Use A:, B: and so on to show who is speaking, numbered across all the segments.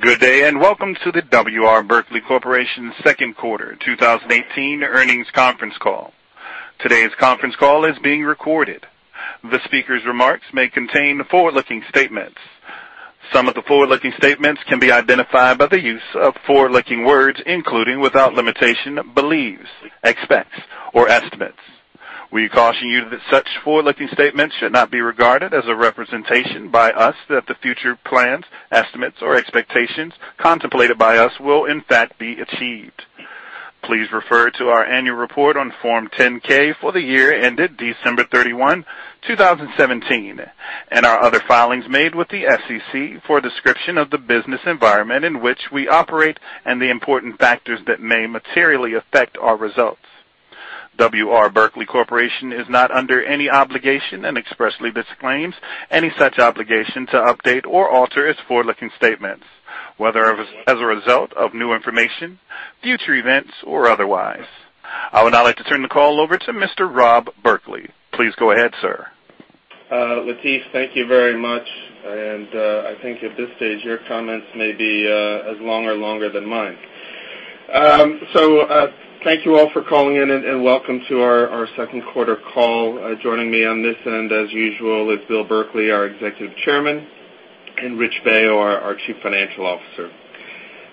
A: Good day, and welcome to the W. R. Berkley Corporation Second Quarter 2018 Earnings Conference Call. Today's conference call is being recorded. The speaker's remarks may contain forward-looking statements. Some of the forward-looking statements can be identified by the use of forward-looking words, including, without limitation, believes, expects, or estimates. We caution you that such forward-looking statements should not be regarded as a representation by us that the future plans, estimates, or expectations contemplated by us will in fact be achieved. Please refer to our annual report on Form 10-K for the year ended December 31, 2017, and our other filings made with the SEC for a description of the business environment in which we operate and the important factors that may materially affect our results. W. R. Berkley Corporation is not under any obligation and expressly disclaims any such obligation to update or alter its forward-looking statements, whether as a result of new information, future events, or otherwise. I would now like to turn the call over to Mr. Rob Berkley. Please go ahead, sir.
B: Latif, thank you very much. I think at this stage, your comments may be as long or longer than mine. Thank you all for calling in, and welcome to our second quarter call. Joining me on this end, as usual is Bill Berkley, our Executive Chairman, and Rich Baio, our Chief Financial Officer.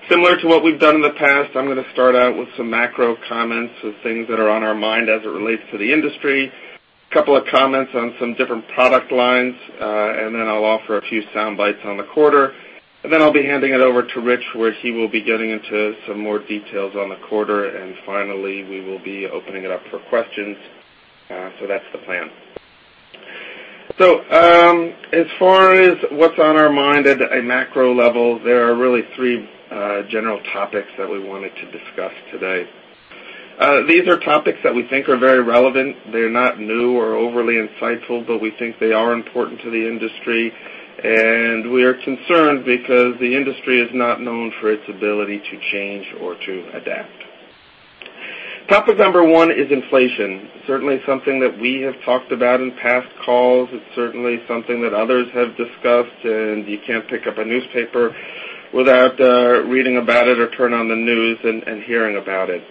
B: Similar to what we've done in the past, I'm going to start out with some macro comments of things that are on our mind as it relates to the industry, couple of comments on some different product lines, then I'll offer a few sound bites on the quarter. Then I'll be handing it over to Rich, where he will be getting into some more details on the quarter. Finally, we will be opening it up for questions. That's the plan. As far as what's on our mind at a macro level, there are really three general topics that we wanted to discuss today. These are topics that we think are very relevant. They're not new or overly insightful, but we think they are important to the industry. We are concerned because the industry is not known for its ability to change or to adapt. Topic number one is inflation. Certainly something that we have talked about in past calls. It's certainly something that others have discussed, and you can't pick up a newspaper without reading about it or turn on the news and hearing about it.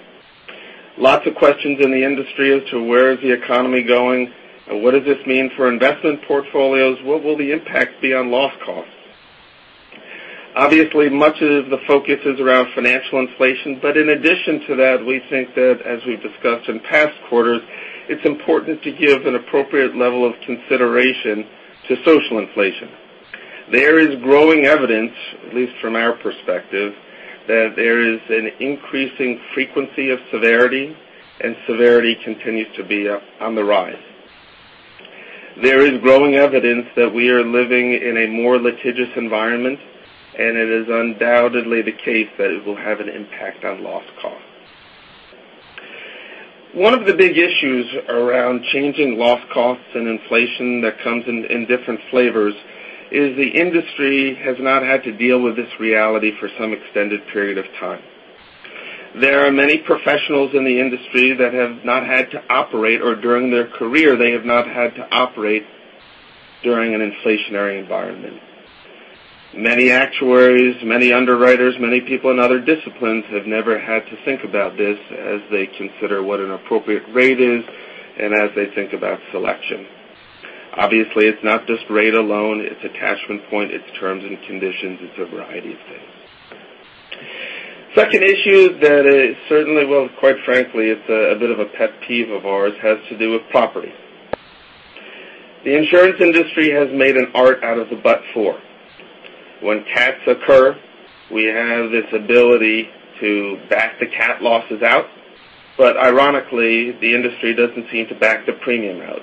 B: Lots of questions in the industry as to where is the economy going. What does this mean for investment portfolios? What will the impact be on loss costs? Obviously, much of the focus is around financial inflation. In addition to that, we think that as we've discussed in past quarters, it's important to give an appropriate level of consideration to social inflation. There is growing evidence, at least from our perspective, that there is an increasing frequency of severity, and severity continues to be on the rise. There is growing evidence that we are living in a more litigious environment, and it is undoubtedly the case that it will have an impact on loss costs. One of the big issues around changing loss costs and inflation that comes in different flavors is the industry has not had to deal with this reality for some extended period of time. There are many professionals in the industry that have not had to operate, or during their career, they have not had to operate during an inflationary environment. Many actuaries, many underwriters, many people in other disciplines have never had to think about this as they consider what an appropriate rate is and as they think about selection. Obviously, it's not just rate alone, it's attachment point, it's terms and conditions, it's a variety of things. Second issue that certainly will, quite frankly, it's a bit of a pet peeve of ours, has to do with property. The insurance industry has made an art out of the but for. When cats occur, we have this ability to back the cat losses out. Ironically, the industry doesn't seem to back the premium out.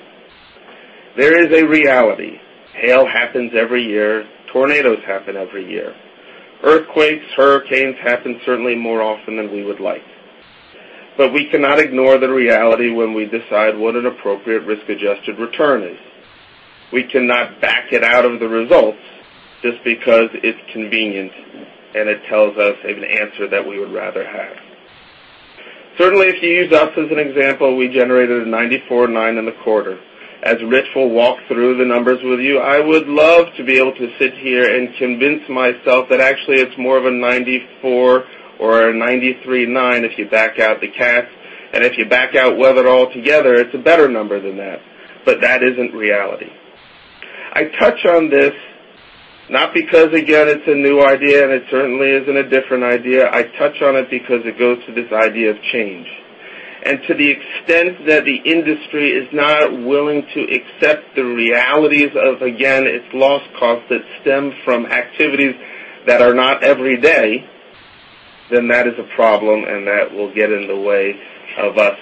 B: There is a reality. Hail happens every year. Tornadoes happen every year. Earthquakes, hurricanes happen certainly more often than we would like. We cannot ignore the reality when we decide what an appropriate risk-adjusted return is. We cannot back it out of the results just because it's convenient, and it tells us an answer that we would rather have. Certainly, if you use us as an example, we generated a 94.9 in the quarter. As Rich will walk through the numbers with you, I would love to be able to sit here and convince myself that actually it's more of a 94 or a 93.9 if you back out the cats. If you back out weather altogether, it's a better number than that. That isn't reality. I touch on this not because, again, it's a new idea, and it certainly isn't a different idea. I touch on it because it goes to this idea of change. To the extent that the industry is not willing to accept the realities of, again, its loss costs that stem from activities that are not every day, then that is a problem, and that will get in the way of us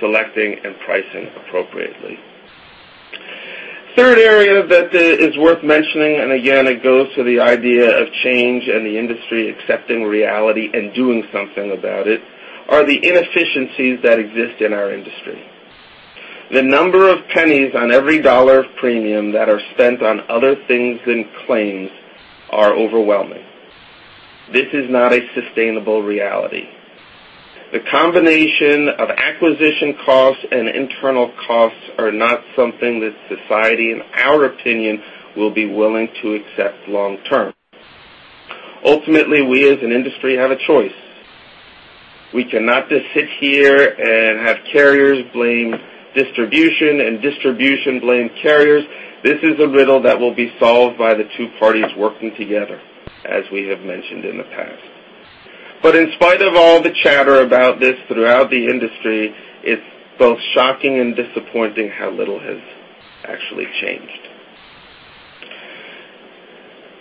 B: selecting and pricing appropriately. Third area that is worth mentioning, and again, it goes to the idea of change and the industry accepting reality and doing something about it, are the inefficiencies that exist in our industry. The number of pennies on every dollar of premium that are spent on other things than claims are overwhelming. This is not a sustainable reality. The combination of acquisition costs and internal costs are not something that society, in our opinion, will be willing to accept long term. Ultimately, we as an industry have a choice. We cannot just sit here and have carriers blame distribution and distribution blame carriers. This is a riddle that will be solved by the two parties working together, as we have mentioned in the past. In spite of all the chatter about this throughout the industry, it's both shocking and disappointing how little has actually changed.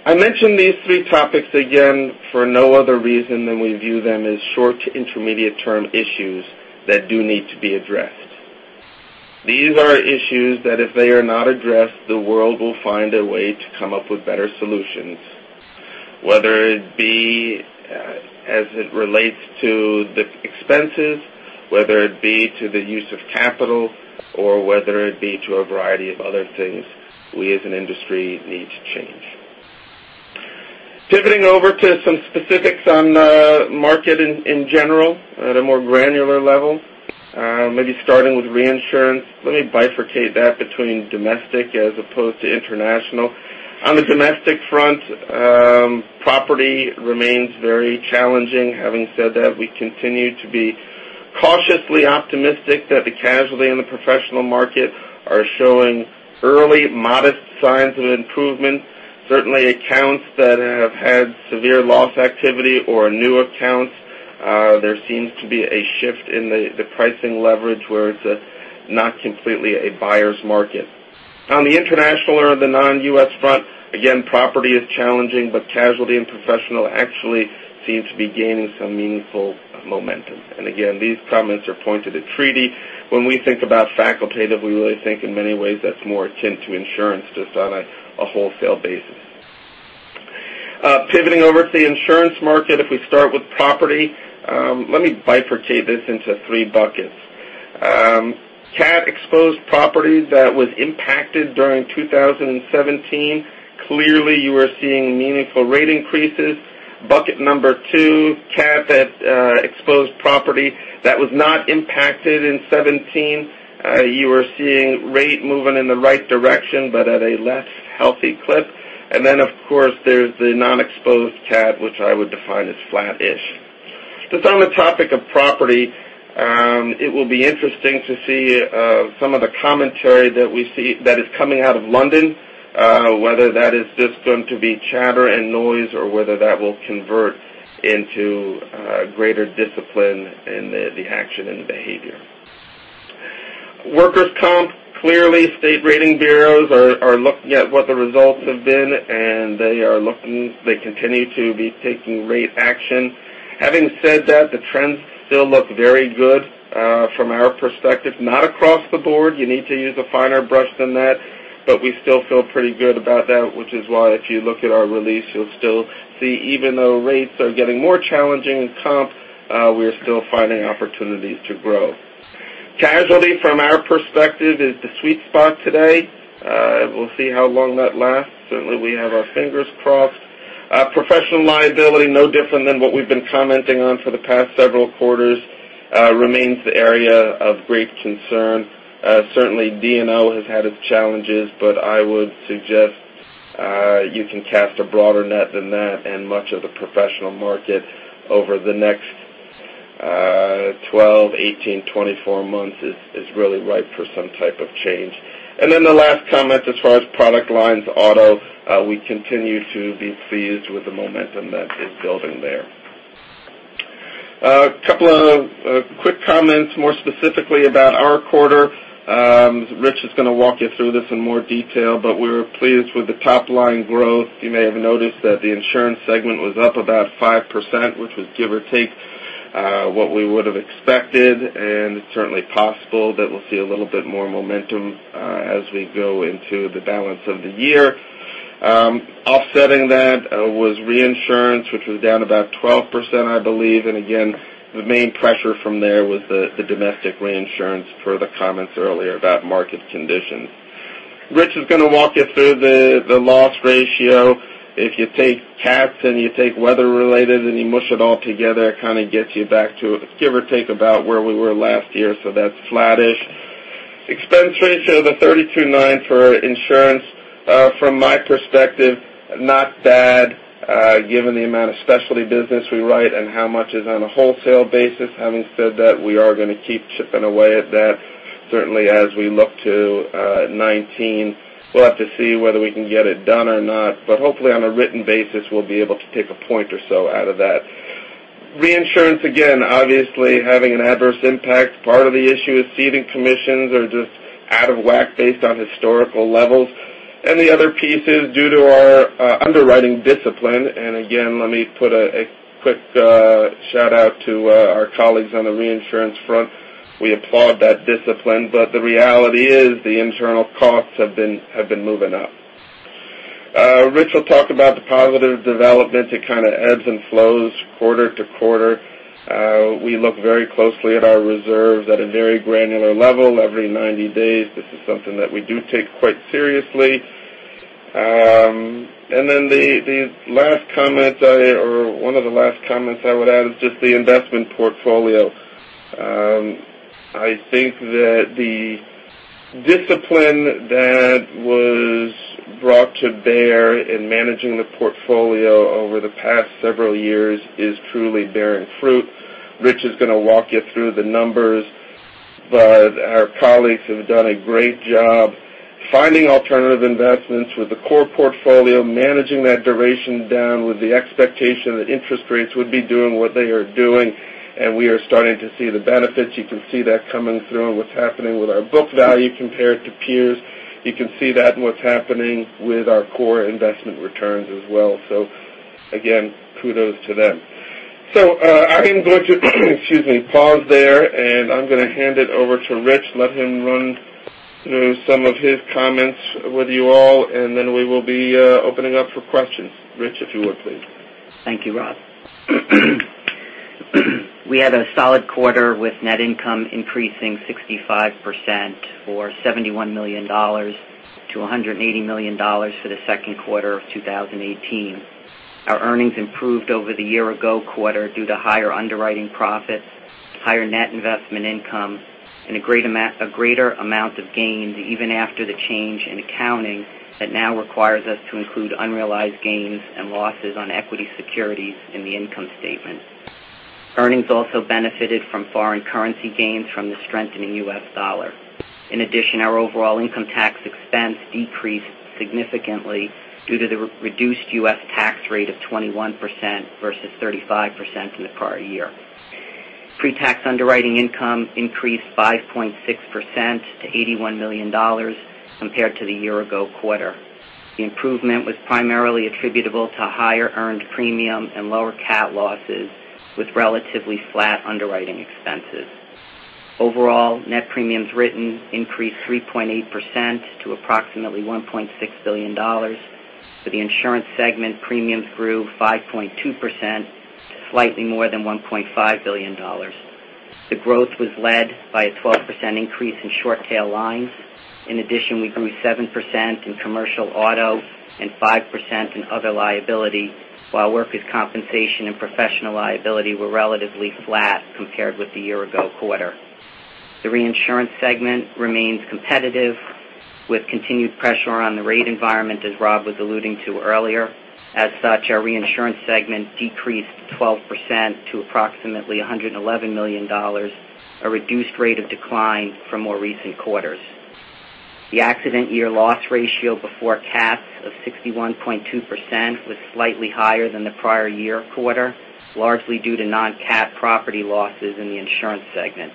B: I mention these three topics again for no other reason than we view them as short- to intermediate-term issues that do need to be addressed. These are issues that if they are not addressed, the world will find a way to come up with better solutions, whether it be as it relates to the expenses, whether it be to the use of capital, or whether it be to a variety of other things we as an industry need to change. Pivoting over to some specifics on the market in general, at a more granular level, maybe starting with reinsurance. Let me bifurcate that between domestic as opposed to international. On the domestic front, property remains very challenging. Having said that, we continue to be cautiously optimistic that the casualty in the professional market are showing early modest signs of improvement. Certainly, accounts that have had severe loss activity or new accounts, there seems to be a shift in the pricing leverage where it's not completely a buyer's market. On the international or the non-U.S. front, again, property is challenging, but casualty and professional actually seem to be gaining some meaningful momentum. Again, these comments are pointed at treaty. When we think about facultative, we really think in many ways that's more akin to insurance, just on a wholesale basis. Pivoting over to the insurance market, if we start with property, let me bifurcate this into three buckets. Cat-exposed property that was impacted during 2017, clearly you are seeing meaningful rate increases. Bucket 2, cat-exposed property that was not impacted in 2017, you are seeing rate moving in the right direction but at a less healthy clip. Of course, there's the non-exposed cat, which I would define as flat-ish. Just on the topic of property, it will be interesting to see some of the commentary that is coming out of London, whether that is just going to be chatter and noise or whether that will convert into greater discipline in the action and the behavior. Workers' comp, clearly, state rating bureaus are looking at what the results have been, and they continue to be taking rate action. Having said that, the trends still look very good from our perspective, not across the board. You need to use a finer brush than that, we still feel pretty good about that, which is why if you look at our release, you'll still see, even though rates are getting more challenging in comp, we are still finding opportunities to grow. Casualty, from our perspective, is the sweet spot today. We'll see how long that lasts. Certainly, we have our fingers crossed. Professional liability, no different than what we've been commenting on for the past several quarters, remains the area of great concern. Certainly, D&O has had its challenges, but I would suggest you can cast a broader net than that, and much of the professional market over the next 12, 18, 24 months is really ripe for some type of change. The last comment as far as product lines, auto, we continue to be pleased with the momentum that is building there. A couple of quick comments, more specifically about our quarter. Rich is going to walk you through this in more detail, but we were pleased with the top-line growth. You may have noticed that the insurance segment was up about 5%, which was give or take what we would have expected, and it's certainly possible that we'll see a little bit more momentum as we go into the balance of the year. Offsetting that was reinsurance, which was down about 12%, I believe. Again, the main pressure from there was the domestic reinsurance per the comments earlier about market conditions. Rich is going to walk you through the loss ratio. If you take cats and you take weather-related and you mush it all together, it kind of gets you back to give or take about where we were last year, so that's flattish. Expense ratio, the 32.9 for insurance, from my perspective, not bad given the amount of specialty business we write and how much is on a wholesale basis. Having said that, we are going to keep chipping away at that. Certainly, as we look to 2019, we'll have to see whether we can get it done or not, but hopefully, on a written basis, we'll be able to take a point or so out of that. Reinsurance, again, obviously, having an adverse impact. Part of the issue is ceding commissions are just out of whack based on historical levels. The other piece is due to our underwriting discipline. Again, let me put a quick shout-out to our colleagues on the reinsurance front. We applaud that discipline. The reality is the internal costs have been moving up. Rich will talk about the positive developments. It kind of ebbs and flows quarter to quarter. We look very closely at our reserves at a very granular level every 90 days. This is something that we do take quite seriously. Then the last comment, or one of the last comments I would add, is just the investment portfolio. I think that the discipline that was brought to bear in managing the portfolio over the past several years is truly bearing fruit. Rich is going to walk you through the numbers, but our colleagues have done a great job finding alternative investments with the core portfolio, managing that duration down with the expectation that interest rates would be doing what they are doing, and we are starting to see the benefits. You can see that coming through in what's happening with our book value compared to peers. You can see that in what's happening with our core investment returns as well. Again, kudos to them. I am going to, excuse me, pause there, and I'm going to hand it over to Rich, let him run through some of his comments with you all, and then we will be opening up for questions. Rich, if you would, please.
C: Thank you, Rob. We had a solid quarter, with net income increasing 65%, or $71 million to $180 million for the second quarter of 2018. Our earnings improved over the year-ago quarter due to higher underwriting profits, higher net investment income, and a greater amount of gains, even after the change in accounting that now requires us to include unrealized gains and losses on equity securities in the income statement. Earnings also benefited from foreign currency gains from the strengthening U.S. dollar. In addition, our overall income tax expense decreased significantly due to the reduced U.S. tax rate of 21% versus 35% in the prior year. Pre-tax underwriting income increased 5.6% to $81 million compared to the year-ago quarter. The improvement was primarily attributable to higher earned premium and lower cat losses, with relatively flat underwriting expenses. Overall, net premiums written increased 3.8% to approximately $1.6 billion. For the insurance segment, premiums grew 5.2% to slightly more than $1.5 billion. The growth was led by a 12% increase in short tail lines. In addition, we grew 7% in commercial auto and 5% in other liability, while workers' compensation and professional liability were relatively flat compared with the year-ago quarter. The reinsurance segment remains competitive, with continued pressure on the rate environment, as Rob was alluding to earlier. As such, our reinsurance segment decreased 12% to approximately $111 million, a reduced rate of decline from more recent quarters. The accident year loss ratio before cats of 61.2% was slightly higher than the prior year quarter, largely due to non-cat property losses in the insurance segment.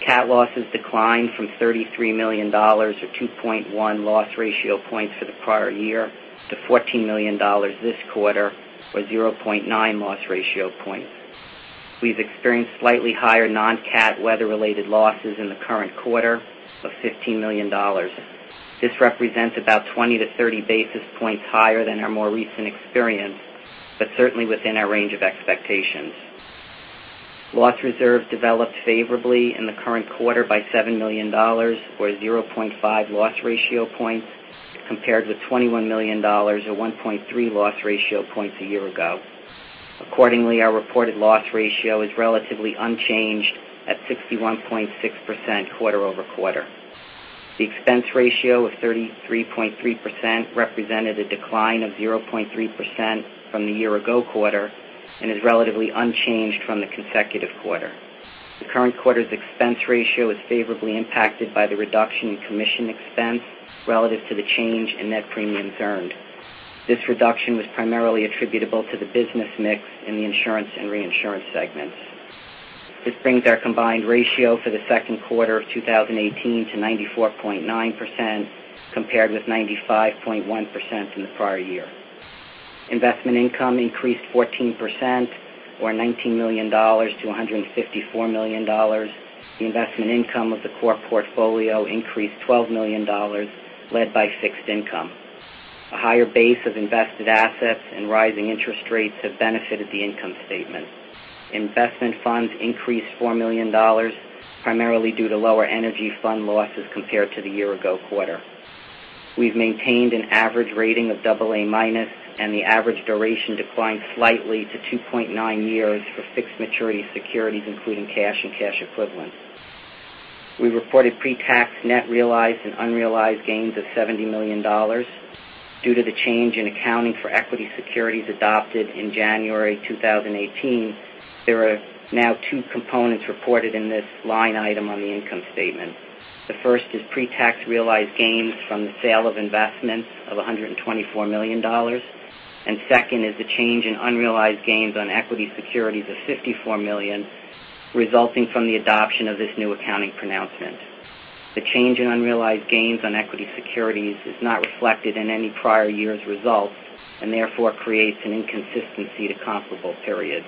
C: Cat losses declined from $33 million, or 2.1 loss ratio points for the prior year, to $14 million this quarter, or 0.9 loss ratio points. We've experienced slightly higher non-cat weather-related losses in the current quarter of $15 million. This represents about 20 to 30 basis points higher than our more recent experience, but certainly within our range of expectations. Loss reserve developed favorably in the current quarter by $7 million, or 0.5 loss ratio points, compared with $21 million or 1.3 loss ratio points a year ago. Accordingly, our reported loss ratio is relatively unchanged at 61.6% quarter-over-quarter. The expense ratio of 33.3% represented a decline of 0.3% from the year-ago quarter and is relatively unchanged from the consecutive quarter. The current quarter's expense ratio is favorably impacted by the reduction in commission expense relative to the change in net premiums earned. This reduction was primarily attributable to the business mix in the insurance and reinsurance segments. This brings our combined ratio for the second quarter of 2018 to 94.9%, compared with 95.1% in the prior year. Investment income increased 14%, or $19 million to $154 million. The investment income of the core portfolio increased $12 million, led by fixed income. A higher base of invested assets and rising interest rates have benefited the income statement. Investment funds increased $4 million, primarily due to lower energy fund losses compared to the year-ago quarter. We've maintained an average rating of AA-, and the average duration declined slightly to 2.9 years for fixed maturity securities, including cash and cash equivalents. We reported pre-tax net realized and unrealized gains of $70 million. Due to the change in accounting for equity securities adopted in January 2018, there are now two components reported in this line item on the income statement. The first is pre-tax realized gains from the sale of investments of $124 million. Second is the change in unrealized gains on equity securities of $54 million, resulting from the adoption of this new accounting pronouncement. The change in unrealized gains on equity securities is not reflected in any prior year's results and therefore creates an inconsistency to comparable periods.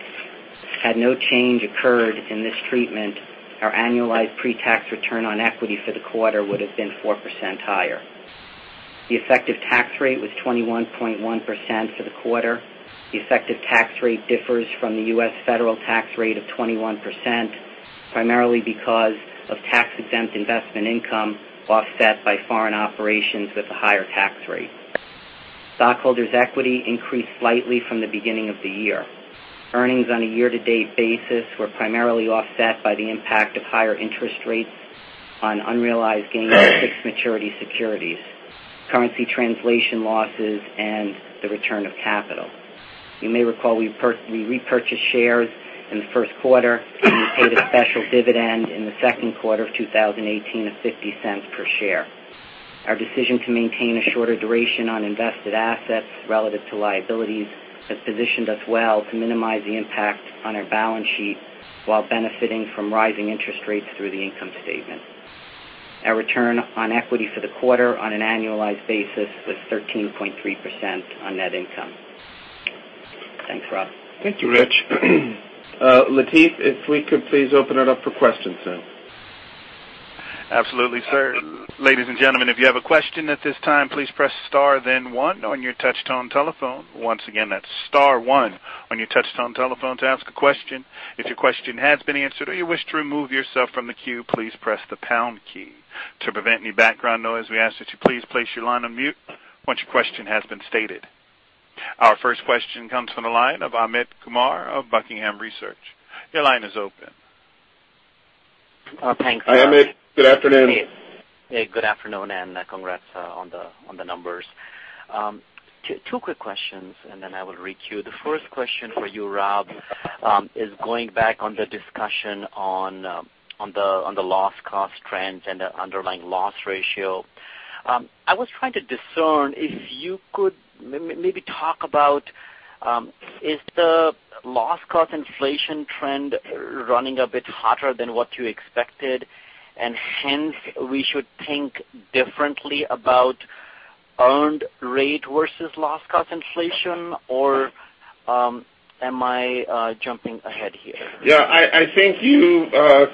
C: Had no change occurred in this treatment, our annualized pre-tax return on equity for the quarter would have been 4% higher. The effective tax rate was 21.1% for the quarter. The effective tax rate differs from the U.S. federal tax rate of 21% primarily because of tax-exempt investment income offset by foreign operations with a higher tax rate. Stockholders' equity increased slightly from the beginning of the year. Earnings on a year-to-date basis were primarily offset by the impact of higher interest rates on unrealized gains on fixed maturity securities, currency translation losses, and the return of capital. You may recall we repurchased shares in the first quarter and paid a special dividend in the second quarter of 2018 of $0.50 per share. Our decision to maintain a shorter duration on invested assets relative to liabilities has positioned us well to minimize the impact on our balance sheet while benefiting from rising interest rates through the income statement. Our return on equity for the quarter on an annualized basis was 13.3% on net income. Thanks, Rob.
B: Thank you, Rich. Latif, if we could please open it up for questions now.
A: Absolutely sir. Ladies and gentlemen, if you have a question at this time, please press star then one on your touch-tone telephone. Once again, that's star one on your touch-tone telephone to ask a question. If your question has been answered or you wish to remove yourself from the queue, please press the pound key. To prevent any background noise, we ask that you please place your line on mute once your question has been stated. Our first question comes from the line of Amit Kumar of Buckingham Research. Your line is open.
D: Thanks, Rob.
B: Hi, Amit. Good afternoon.
D: Hey, good afternoon, and congrats on the numbers. Two quick questions and then I will re-queue. The first question for you, Rob, is going back on the discussion on the loss cost trends and the underlying loss ratio. I was trying to discern if you could maybe talk about, is the loss cost inflation trend running a bit hotter than what you expected? Hence, we should think differently about earned rate versus loss cost inflation or am I jumping ahead here?
B: Yeah, I think you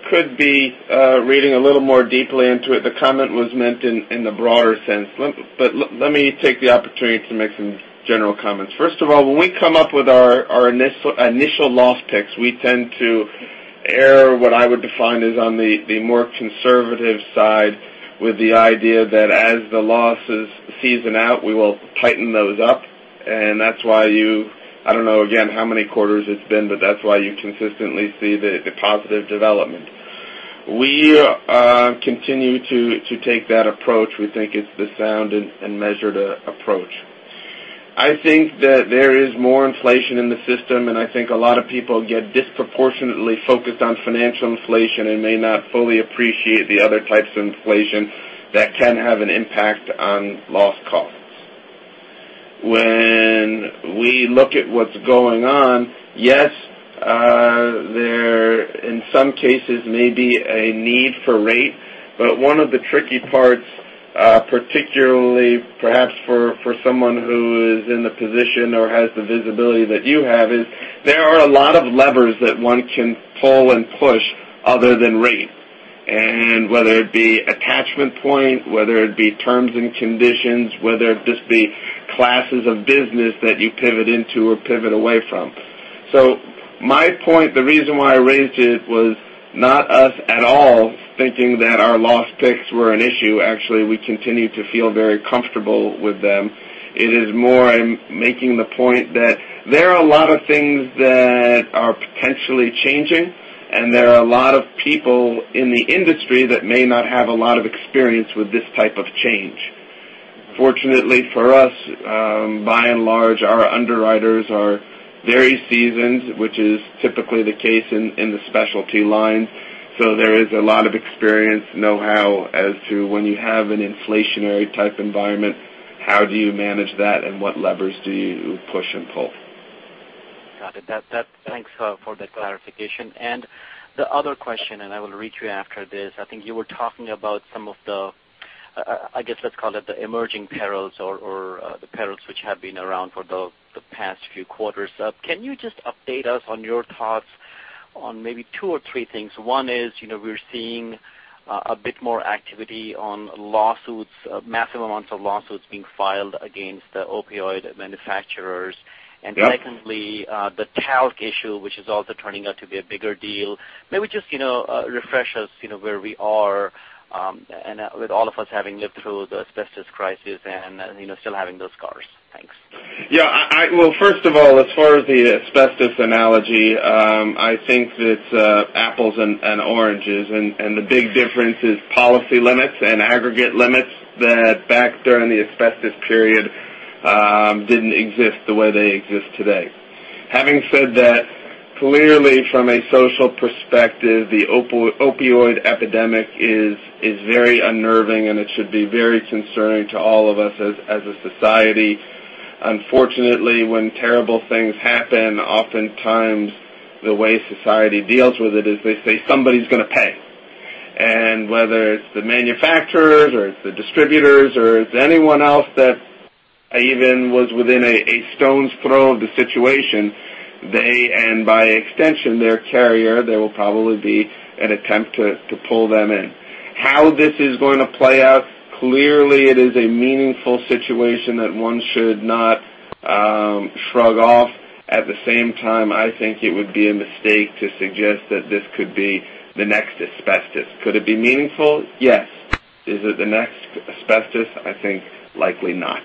B: could be reading a little more deeply into it. The comment was meant in the broader sense. Let me take the opportunity to make some general comments. First of all, when we come up with our initial loss picks, we tend to err what I would define as on the more conservative side with the idea that as the losses season out, we will tighten those up. That's why you, I don't know, again, how many quarters it's been, but that's why you consistently see the positive development. We continue to take that approach. We think it's the sound and measured approach. I think that there is more inflation in the system, and I think a lot of people get disproportionately focused on financial inflation and may not fully appreciate the other types of inflation that can have an impact on loss costs. When we look at what's going on, yes, there in some cases may be a need for rate, but one of the tricky parts, particularly perhaps for someone who is in the position or has the visibility that you have, is there are a lot of levers that one can pull and push other than rate. Whether it be attachment point, whether it be terms and conditions, whether it just be classes of business that you pivot into or pivot away from. My point, the reason why I raised it was not us at all thinking that our loss picks were an issue. Actually, we continue to feel very comfortable with them. It is more I'm making the point that there are a lot of things that are potentially changing, and there are a lot of people in the industry that may not have a lot of experience with this type of change. Fortunately for us, by and large, our underwriters are very seasoned, which is typically the case in the specialty line. There is a lot of experience, know-how as to when you have an inflationary type environment, how do you manage that and what levers do you push and pull.
D: Got it. Thanks for the clarification. The other question, and I will re-queue after this, I think you were talking about some of the, I guess, let's call it the emerging perils or the perils which have been around for the past few quarters. Can you just update us on your thoughts on maybe two or three things? One is, we're seeing a bit more activity on lawsuits, massive amounts of lawsuits being filed against opioid manufacturers.
B: Yep.
D: Secondly, the talc issue, which is also turning out to be a bigger deal. Maybe just refresh us where we are with all of us having lived through the asbestos crisis and still having those scars. Thanks.
B: Well, first of all, as far as the asbestos analogy, I think it's apples and oranges. The big difference is policy limits and aggregate limits that back during the asbestos period, didn't exist the way they exist today. Having said that, clearly from a social perspective, the opioid epidemic is very unnerving, and it should be very concerning to all of us as a society. Unfortunately, when terrible things happen, oftentimes the way society deals with it is they say somebody's going to pay. Whether it's the manufacturers or it's the distributors or it's anyone else that even was within a stone's throw of the situation, they and by extension, their carrier, there will probably be an attempt to pull them in. How this is going to play out, clearly it is a meaningful situation that one should not shrug off. At the same time, I think it would be a mistake to suggest that this could be the next asbestos. Could it be meaningful? Yes. Is it the next asbestos? I think likely not.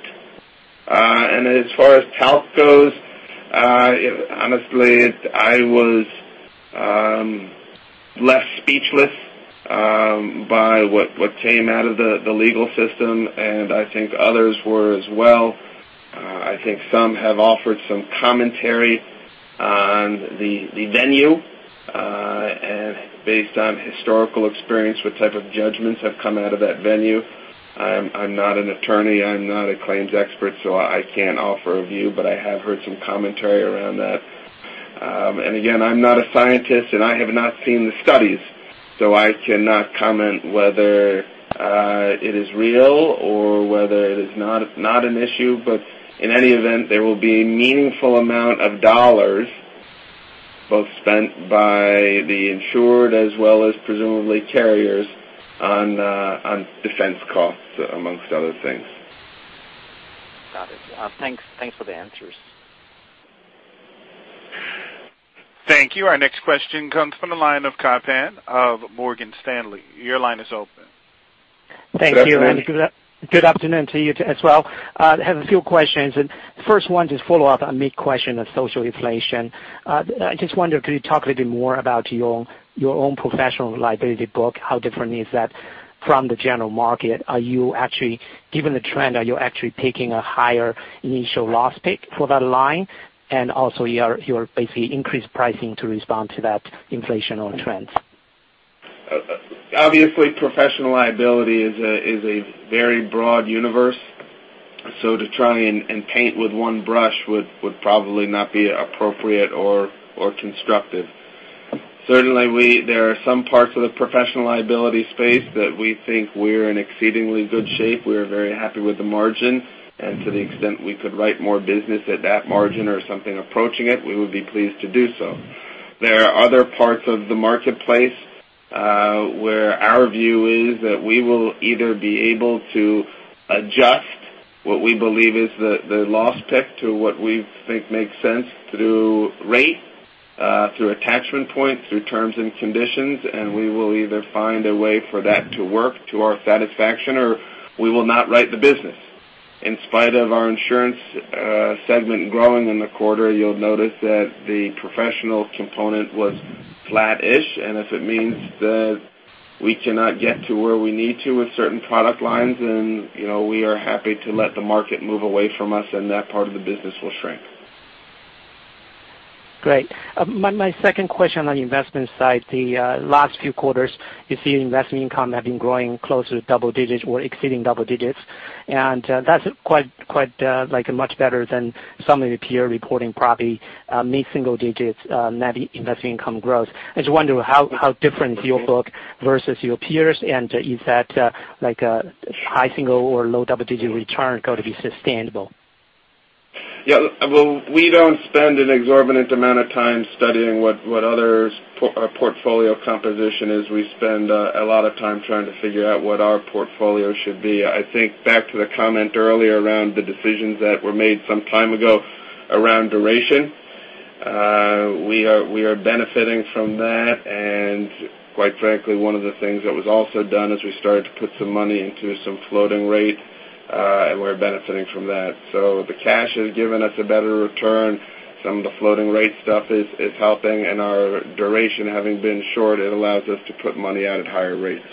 B: As far as talc goes, honestly, I was less speechless by what came out of the legal system, and I think others were as well. I think some have offered some commentary on the venue, based on historical experience, what type of judgments have come out of that venue. I'm not an attorney. I'm not a claims expert, so I can't offer a view, but I have heard some commentary around that. Again, I'm not a scientist, and I have not seen the studies, so I cannot comment whether it is real or whether it is not an issue, but in any event, there will be a meaningful amount of dollars, both spent by the insured as well as presumably carriers on defense costs, amongst other things.
D: Got it. Thanks for the answers.
A: Thank you. Our next question comes from the line of Kai Pan, of Morgan Stanley. Your line is open.
B: Kai, how are you?
E: Thank you. Good afternoon to you as well. I have a few questions, and first one is follow up on Amit's question of social inflation. I just wonder, could you talk a little bit more about your own professional liability book? How different is that from the general market? Given the trend, are you actually taking a higher initial loss pick for that line? Also, you are basically increased pricing to respond to that inflationary trend.
B: Obviously, professional liability is a very broad universe. To try and paint with one brush would probably not be appropriate or constructive. Certainly, there are some parts of the professional liability space that we think we're in exceedingly good shape. We are very happy with the margin, and to the extent we could write more business at that margin or something approaching it, we would be pleased to do so. There are other parts of the marketplace, where our view is that we will either be able to adjust what we believe is the loss pick to what we think makes sense through rate, through attachment point, through terms and conditions. We will either find a way for that to work to our satisfaction, or we will not write the business. In spite of our insurance segment growing in the quarter, you'll notice that the professional component was flat-ish, if it means that we cannot get to where we need to with certain product lines, we are happy to let the market move away from us, that part of the business will shrink.
E: Great. My second question on the investment side. The last few quarters, you see investment income have been growing close to double digits or exceeding double digits. That's much better than some of the peer reporting probably mid-single digits net investment income growth. I just wonder how different your book versus your peers and is that high single or low double-digit return going to be sustainable?
B: Yeah. Well, we don't spend an exorbitant amount of time studying what others' portfolio composition is. We spend a lot of time trying to figure out what our portfolio should be. I think back to the comment earlier around the decisions that were made some time ago around duration. We are benefiting from that. Quite frankly, one of the things that was also done is we started to put some money into some floating rate, and we're benefiting from that. The cash has given us a better return. Some of the floating rate stuff is helping, and our duration having been short, it allows us to put money out at higher rates.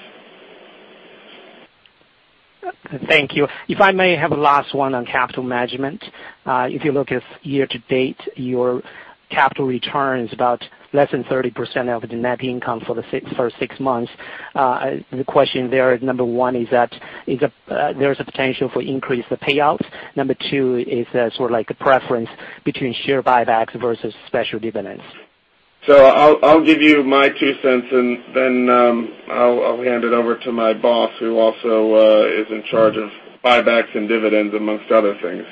E: Thank you. If I may have a last one on capital management. If you look at year-to-date, your capital return's about less than 30% of the net income for the first six months. The question there is, number one is that, there's a potential for increase the payout. Number two is sort of like a preference between share buybacks versus special dividends.
B: I'll give you my $0.02, and then I'll hand it over to my boss, who also is in charge of buybacks and dividends, amongst other things.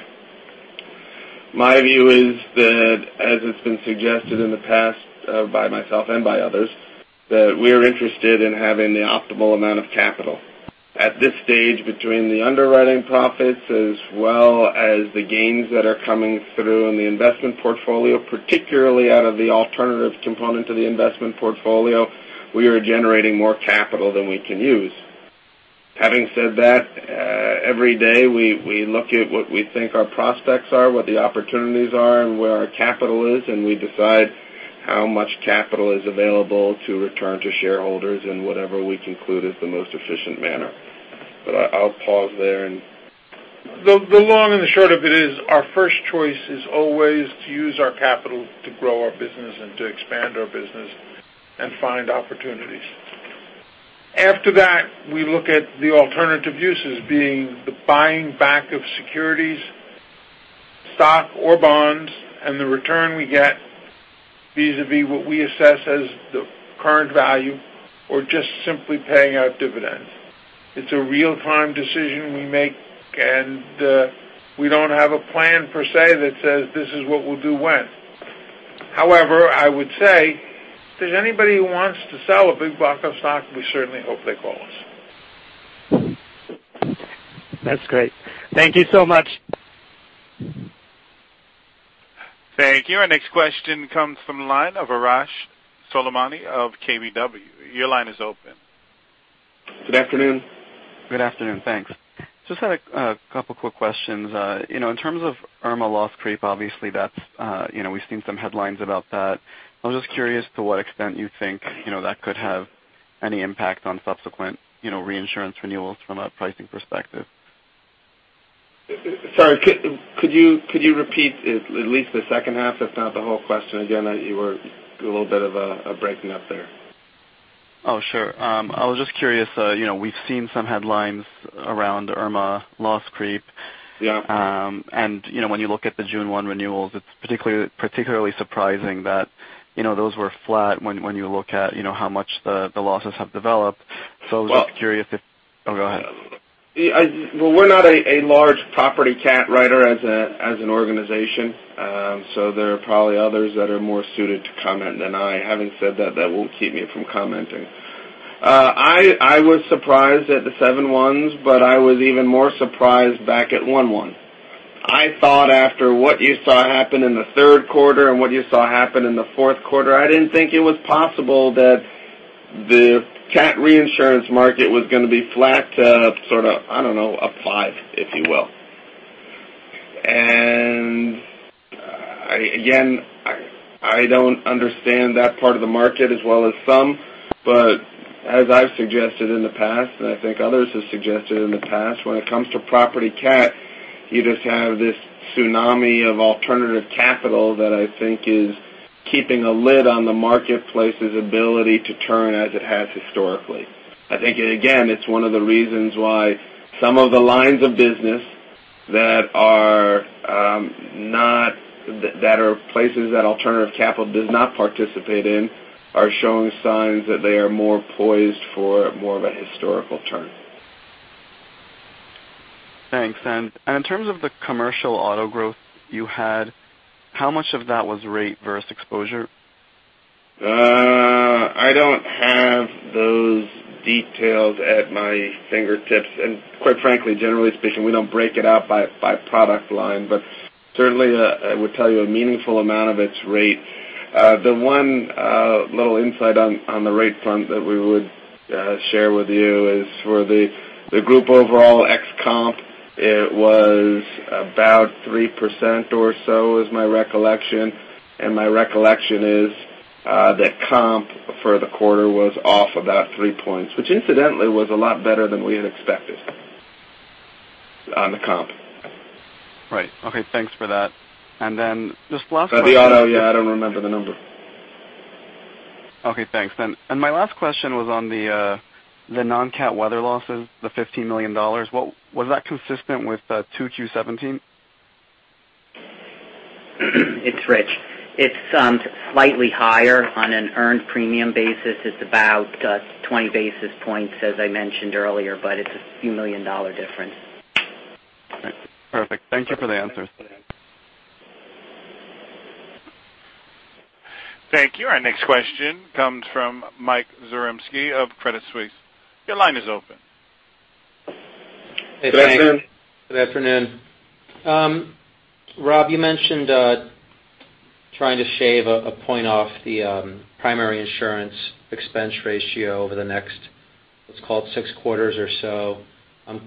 B: My view is that as it's been suggested in the past by myself and by others, that we're interested in having the optimal amount of capital. At this stage, between the underwriting profits as well as the gains that are coming through in the investment portfolio, particularly out of the alternative component of the investment portfolio, we are generating more capital than we can use. Having said that, every day, we look at what we think our prospects are, what the opportunities are, and where our capital is, and we decide how much capital is available to return to shareholders in whatever we conclude is the most efficient manner. I'll pause there.
F: The long and short of it is, our first choice is always to use our capital to grow our business and to expand our business and find opportunities. After that, we look at the alternative uses, being the buying back of securities, stock or bonds, and the return we get vis-à-vis what we assess as the current value or just simply paying out dividends. It's a real-time decision we make, and we don't have a plan per se that says this is what we'll do when.
B: I would say if there's anybody who wants to sell a big block of stock, we certainly hope they call us.
E: That's great. Thank you so much.
A: Thank you. Our next question comes from the line of Arash Soleimani of KBW. Your line is open.
B: Good afternoon.
G: Good afternoon. Thanks. Just had a couple quick questions. In terms of Irma loss creep, obviously, we've seen some headlines about that. I was just curious to what extent you think that could have any impact on subsequent reinsurance renewals from a pricing perspective.
B: Sorry. Could you repeat at least the second half, if not the whole question again? You were a little bit of a breaking up there.
G: Oh, sure. I was just curious. We've seen some headlines around Hurricane Irma loss creep.
B: Yeah.
G: When you look at the June 1 renewals, it's particularly surprising that those were flat when you look at how much the losses have developed. I was just curious. Oh, go ahead.
B: Well, we're not a large property cat writer as an organization. There are probably others that are more suited to comment than I. Having said that won't keep me from commenting. I was surprised at the 7/1s, but I was even more surprised back at 1/1. I thought after what you saw happen in the third quarter and what you saw happen in the fourth quarter, I didn't think it was possible that the cat reinsurance market was going to be flat to sort of, I don't know, a five, if you will. Again, I don't understand that part of the market as well as some. As I've suggested in the past, I think others have suggested in the past, when it comes to property cat, you just have this tsunami of alternative capital that I think is keeping a lid on the marketplace's ability to turn as it has historically. I think, again, it's one of the reasons why some of the lines of business that are places that alternative capital does not participate in are showing signs that they are more poised for more of a historical turn.
G: Thanks. In terms of the commercial auto growth you had, how much of that was rate versus exposure?
B: I don't have those details at my fingertips. Quite frankly, generally speaking, we don't break it out by product line. Certainly, I would tell you a meaningful amount of its rate. The one little insight on the rate front that we would share with you is for the group overall ex comp, it was about 3% or so is my recollection, and my recollection is that comp for the quarter was off about three points, which incidentally was a lot better than we had expected on the comp.
G: Right. Okay. Thanks for that.
B: The auto, yeah, I don't remember the number.
G: Okay, thanks then. My last question was on the non-cat weather losses, the $15 million. Was that consistent with 2Q17?
C: It's Rich. It's slightly higher on an earned premium basis. It's about 20 basis points, as I mentioned earlier, but it's a few million dollar difference.
G: Perfect. Thank you for the answers.
A: Thank you. Our next question comes from Mike Zaremski of Credit Suisse. Your line is open.
B: Good afternoon.
H: Good afternoon. Rob, you mentioned trying to shave a point off the primary insurance expense ratio over the next, let's call it six quarters or so.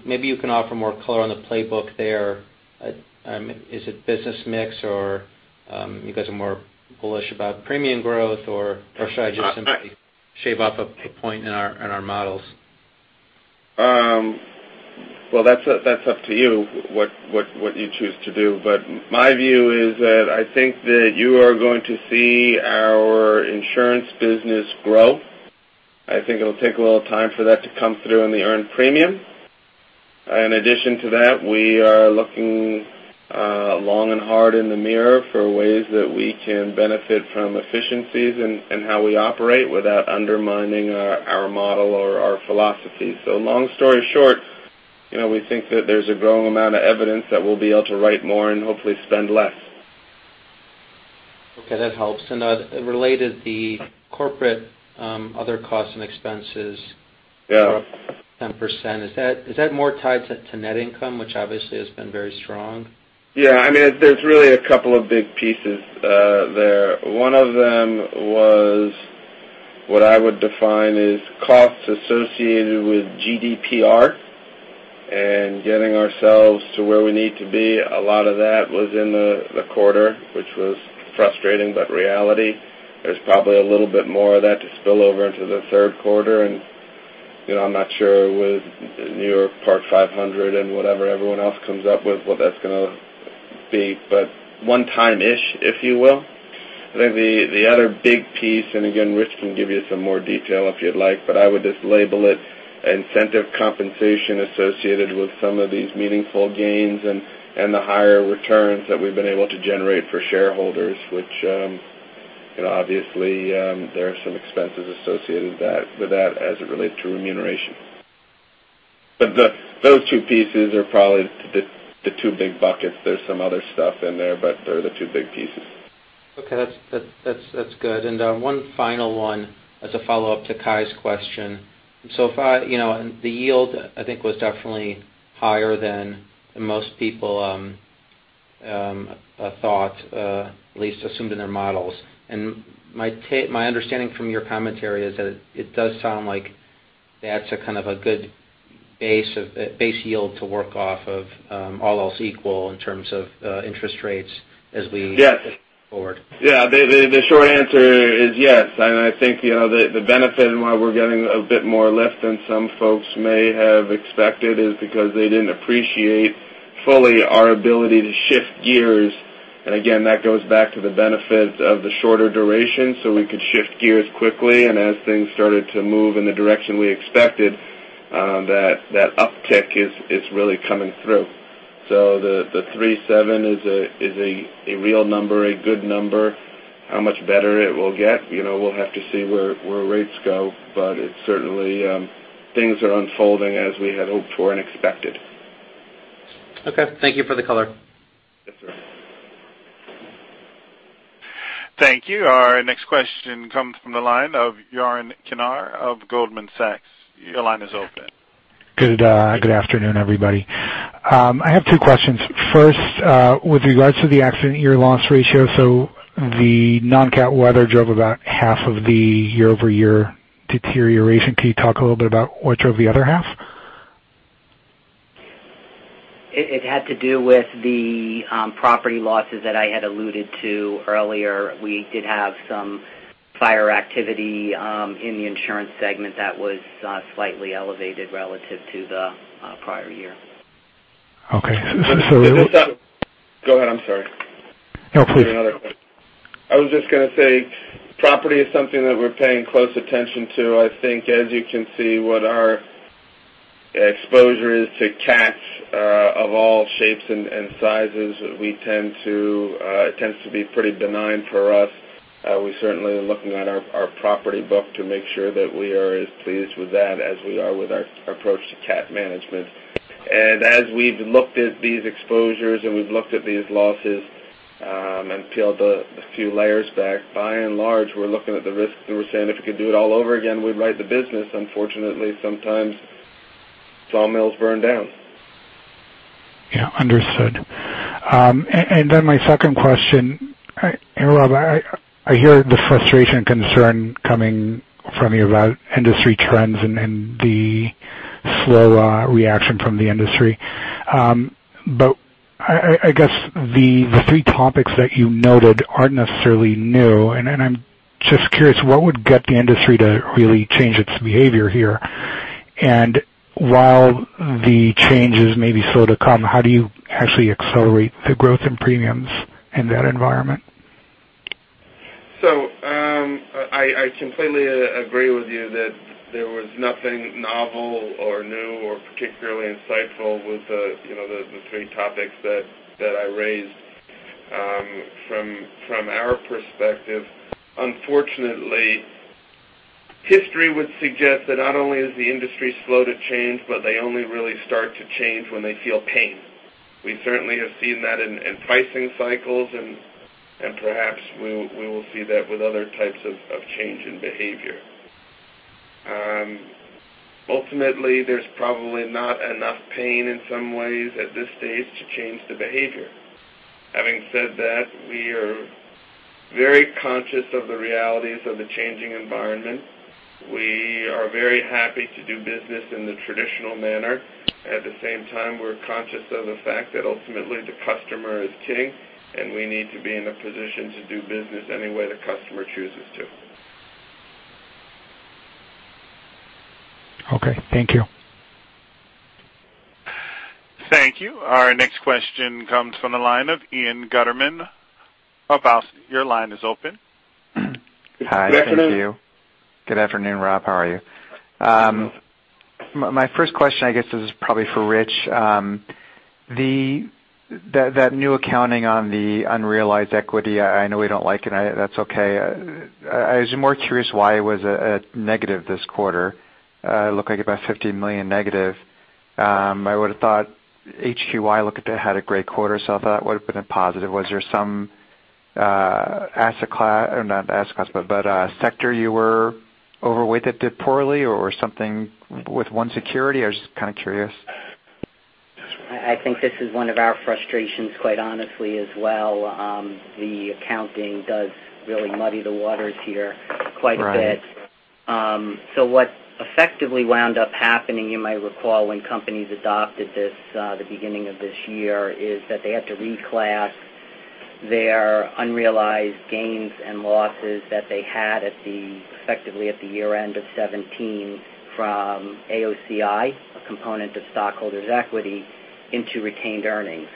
H: Maybe you can offer more color on the playbook there. Is it business mix, or you guys are more bullish about premium growth, or should I just simply shave off a point in our models?
B: Well, that's up to you, what you choose to do. My view is that I think that you are going to see our insurance business grow. I think it'll take a little time for that to come through in the earned premium. In addition to that, we are looking long and hard in the mirror for ways that we can benefit from efficiencies in how we operate without undermining our model or our philosophy. Long story short, we think that there's a growing amount of evidence that we'll be able to write more and hopefully spend less.
H: Okay, that helps. Related, the corporate other costs and expenses.
B: Yeah
H: up 10%. Is that more tied to net income, which obviously has been very strong?
B: Yeah. There's really a couple of big pieces there. One of them was what I would define as costs associated with GDPR and getting ourselves to where we need to be. A lot of that was in the quarter, which was frustrating, but reality. There's probably a little bit more of that to spill over into the third quarter. I'm not sure with 23 NYCRR Part 500 and whatever everyone else comes up with what that's going to be. One time-ish, if you will. I think the other big piece, again, Rich can give you some more detail if you'd like, but I would just label it incentive compensation associated with some of these meaningful gains and the higher returns that we've been able to generate for shareholders, which obviously, there are some expenses associated with that as it relates to remuneration. Those two pieces are probably the two big buckets. There's some other stuff in there, but they're the two big pieces.
H: Okay. That's good. One final one as a follow-up to Kai's question. If I the yield, I think, was definitely higher than most people thought, at least assumed in their models. My understanding from your commentary is that it does sound like that's a kind of a good base yield to work off of all else equal in terms of interest rates as we-
B: Yes
H: move forward.
B: Yeah. The short answer is yes. I think, the benefit and why we're getting a bit more lift than some folks may have expected is because they didn't appreciate fully our ability to shift gears. Again, that goes back to the benefit of the shorter duration, so we could shift gears quickly, and as things started to move in the direction we expected, that uptick is really coming through. The 3.7 is a real number, a good number. How much better it will get? We'll have to see where rates go. It's certainly, things are unfolding as we had hoped for and expected.
H: Okay. Thank you for the color.
B: Yes, sir.
A: Thank you. Our next question comes from the line of Yaron Kinar of Goldman Sachs. Your line is open.
I: Good afternoon, everybody. I have two questions. First, with regards to the accident year loss ratio. the non-CAT weather drove about half of the year-over-year deterioration. Can you talk a little bit about what drove the other half?
C: It had to do with the property losses that I had alluded to earlier. We did have some fire activity in the insurance segment that was slightly elevated relative to the prior year.
I: Okay.
B: Go ahead. I'm sorry.
I: No, please.
B: I had another question. I was just going to say, property is something that we're paying close attention to. I think, as you can see, what our exposure is to CATs of all shapes and sizes, it tends to be pretty benign for us. We certainly are looking at our property book to make sure that we are as pleased with that as we are with our approach to CAT management. As we've looked at these exposures and we've looked at these losses, and peeled a few layers back, by and large, we're looking at the risks, and we're saying if we could do it all over again, we'd write the business. Unfortunately, sometimes sawmills burn down.
I: Yeah, understood. Then my second question. Rob, I hear the frustration and concern coming from you about industry trends and the slow reaction from the industry. I guess the three topics that you noted aren't necessarily new, and I'm just curious, what would get the industry to really change its behavior here? While the changes may be slow to come, how do you actually accelerate the growth in premiums in that environment?
B: I completely agree with you that there was nothing novel or new or particularly insightful with the three topics that I raised. From our perspective, unfortunately, history would suggest that not only is the industry slow to change, but they only really start to change when they feel pain. We certainly have seen that in pricing cycles, and perhaps we will see that with other types of change in behavior. Ultimately, there's probably not enough pain in some ways at this stage to change the behavior. Having said that, we are very conscious of the realities of the changing environment. We are very happy to do business in the traditional manner. At the same time, we're conscious of the fact that ultimately the customer is king, and we need to be in a position to do business any way the customer chooses to.
I: Okay. Thank you.
A: Thank you. Our next question comes from the line of Ian Gutterman of Balyasny. Your line is open.
J: Hi. Thank you.
B: Good afternoon.
J: Good afternoon, Rob. How are you?
B: Good.
J: My first question, I guess, this is probably for Rich. That new accounting on the unrealized equity, I know we don't like it. That's okay. I was more curious why it was a negative this quarter. It looked like about $50 million negative. I would've thought HQY looked it had a great quarter, so I thought it would've been a positive. Was there some asset class, or not asset class, but sector you were overweight that did poorly or something with one security? I was just kind of curious.
C: I think this is one of our frustrations quite honestly as well. The accounting does really muddy the waters here quite a bit.
J: Right.
C: What effectively wound up happening, you might recall, when companies adopted this the beginning of this year, is that they had to reclass their unrealized gains and losses that they had effectively at the year-end of 2017 from AOCI, a component of stockholders' equity, into retained earnings.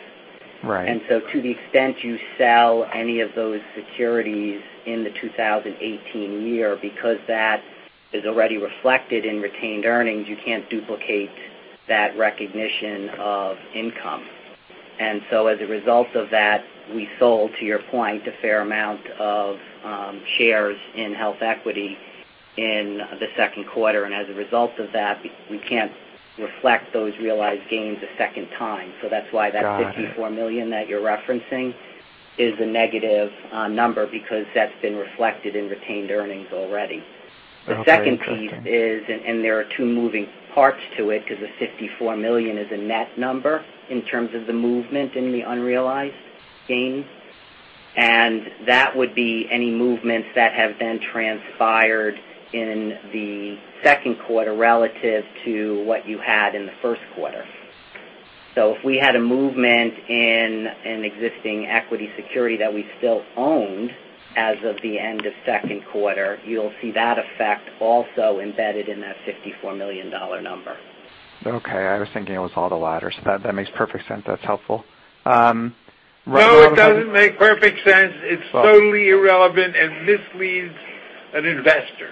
J: Right.
C: To the extent you sell any of those securities in the 2018 year, because that is already reflected in retained earnings, you can't duplicate that recognition of income. As a result of that, we sold, to your point, a fair amount of shares in HealthEquity in the second quarter. As a result of that, we can't reflect those realized gains a second time. That's why that-
J: Got it.
C: $54 million that you're referencing is a negative number, because that's been reflected in retained earnings already.
J: Okay. Got you.
C: The second piece is, there are two moving parts to it, because the $54 million is a net number in terms of the movement in the unrealized gains. That would be any movements that have been transpired in the second quarter relative to what you had in the first quarter. If we had a movement in an existing equity security that we still owned as of the end of second quarter, you'll see that effect also embedded in that $54 million number.
J: Okay. I was thinking it was all the latter. That makes perfect sense. That's helpful.
B: No, it doesn't make perfect sense. It's totally irrelevant and misleads an investor.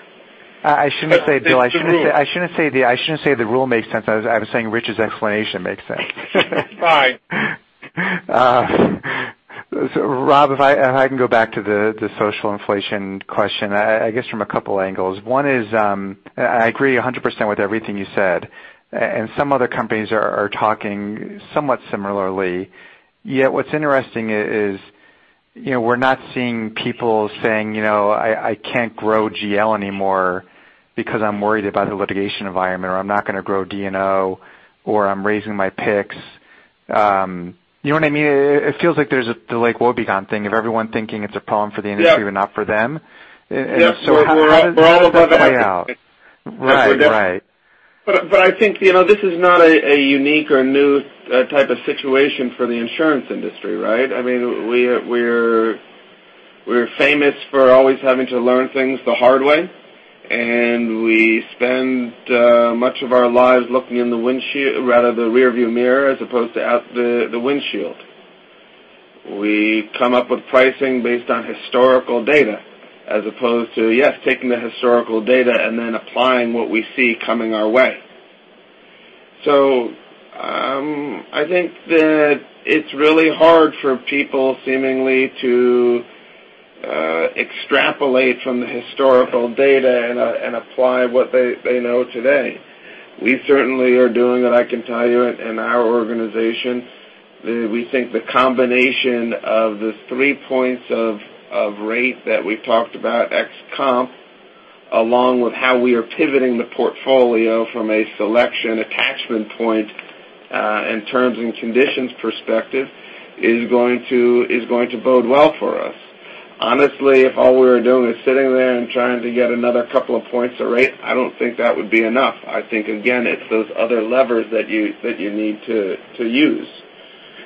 F: I shouldn't say, Bill. It's the rule.
J: I shouldn't say the rule makes sense. I was saying Rich's explanation makes sense.
F: Fine.
J: Rob, if I can go back to the social inflation question, I guess from a couple angles. One is, I agree 100% with everything you said, and some other companies are talking somewhat similarly. Yet what's interesting is we're not seeing people saying, "I can't grow GL anymore because I'm worried about the litigation environment," or "I'm not going to grow D&O," or, "I'm raising my picks." You know what I mean? It feels like there's the Lake Wobegon thing of everyone thinking it's a problem for the industry.
B: Yeah
J: not for them.
B: Yeah.
J: How does that play out?
B: We're all above average.
J: Right.
B: I think, this is not a unique or new type of situation for the insurance industry, right? We're famous for always having to learn things the hard way, and we spend much of our lives looking in the rear view mirror as opposed to out the windshield. We come up with pricing based on historical data as opposed to, yes, taking the historical data and then applying what we see coming our way. I think that it's really hard for people seemingly to extrapolate from the historical data and apply what they know today. We certainly are doing it, I can tell you, in our organization. We think the combination of the three points of rate that we've talked about, ex comp, along with how we are pivoting the portfolio from a selection attachment point, in terms and conditions perspective, is going to bode well for us. Honestly, if all we were doing is sitting there and trying to get another couple of points of rate, I don't think that would be enough. I think, again, it's those other levers that you need to use.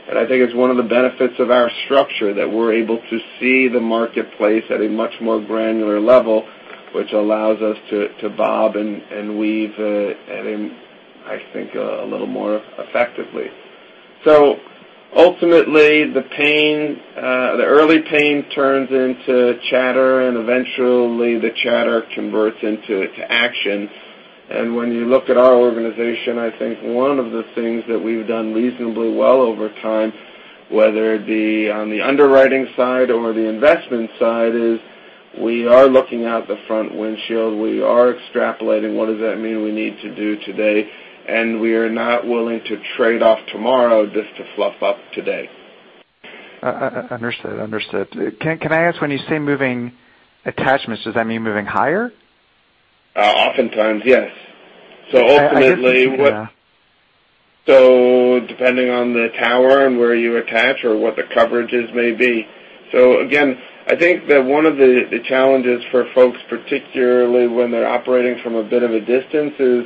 B: I think it's one of the benefits of our structure that we're able to see the marketplace at a much more granular level, which allows us to bob and weave, I think, a little more effectively. Ultimately, the early pain turns into chatter and eventually the chatter converts into action. When you look at our organization, I think one of the things that we've done reasonably well over time, whether it be on the underwriting side or the investment side, is we are looking out the front windshield. We are extrapolating what does that mean we need to do today, and we are not willing to trade off tomorrow just to fluff up today.
J: Understood. Can I ask, when you say moving attachments, does that mean moving higher?
B: Oftentimes, yes.
J: I guess-
B: Depending on the tower and where you attach or what the coverages may be. Again, I think that one of the challenges for folks, particularly when they're operating from a bit of a distance, is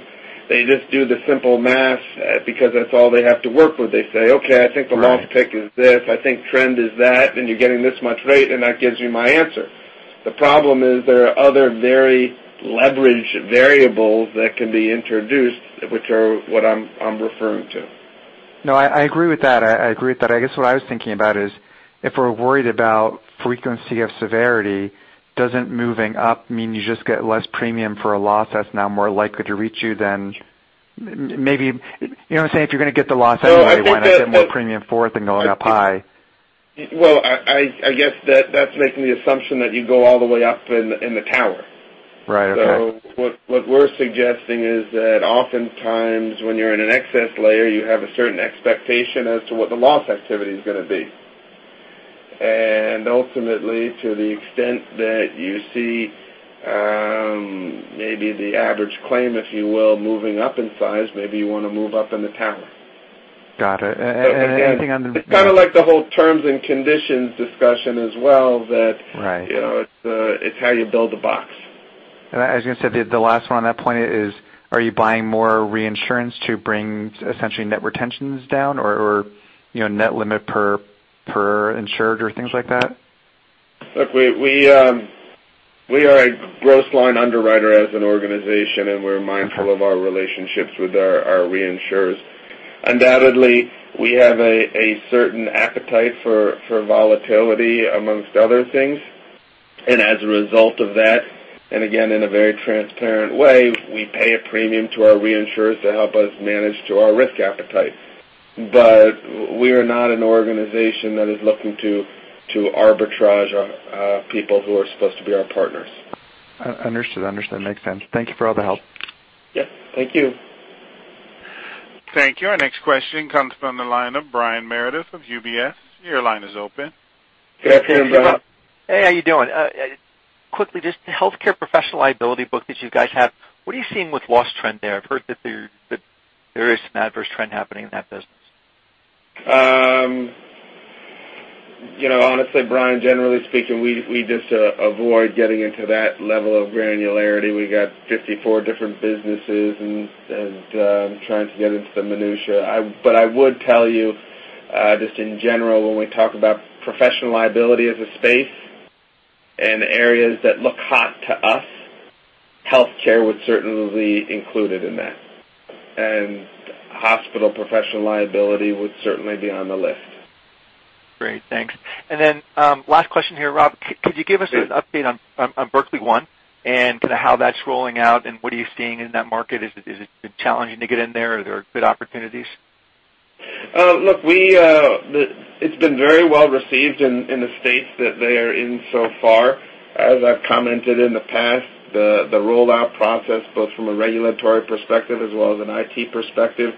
B: they just do the simple math because that's all they have to work with. They say, "Okay, I think the
J: Right
B: loss pick is this. I think trend is that, you're getting this much rate, that gives you my answer." The problem is there are other very leveraged variables that can be introduced, which are what I'm referring to.
J: No, I agree with that. I guess what I was thinking about is if we're worried about frequency of severity, doesn't moving up mean you just get less premium for a loss that's now more likely to reach you than maybe You know what I'm saying? If you're going to get the loss anyway.
B: No, I get that.
J: Why not get more premium for it than going up high?
B: Well, I guess that's making the assumption that you go all the way up in the tower.
J: Right. Okay.
B: What we're suggesting is that oftentimes when you're in an excess layer, you have a certain expectation as to what the loss activity's going to be. Ultimately, to the extent that you see, maybe the average claim, if you will, moving up in size, maybe you want to move up in the tower.
J: Got it. Anything on the
B: It's kind of like the whole terms and conditions discussion as well that
J: Right
B: it's how you build the box.
J: I was going to say, the last one on that point is, are you buying more reinsurance to bring essentially net retentions down or net limit per insured or things like that?
B: Look, we are a gross line underwriter as an organization, we're mindful of our relationships with our reinsurers. Undoubtedly, we have a certain appetite for volatility amongst other things. As a result of that, and again, in a very transparent way, we pay a premium to our reinsurers to help us manage to our risk appetite. We are not an organization that is looking to arbitrage our people who are supposed to be our partners.
J: Understood. Makes sense. Thank you for all the help.
B: Yes. Thank you.
A: Thank you. Our next question comes from the line of Brian Meredith of UBS. Your line is open.
B: Good afternoon, Brian.
K: Hey, how are you doing? Quickly, just the healthcare professional liability book that you guys have, what are you seeing with loss trend there? I've heard that there is some adverse trend happening in that business.
B: Honestly, Brian, generally speaking, we just avoid getting into that level of granularity. We got 54 different businesses and trying to get into the minutia. I would tell you, just in general, when we talk about professional liability as a space and areas that look hot to us, healthcare was certainly included in that, and hospital professional liability would certainly be on the list.
K: Great. Thanks. Last question here, Rob. Could you give us an update on Berkley One and kind of how that's rolling out and what are you seeing in that market? Is it challenging to get in there? Are there good opportunities?
B: Look, it's been very well-received in the states that they are in so far. As I've commented in the past, the rollout process, both from a regulatory perspective as well as an IT perspective,